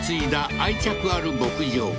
愛着ある牧場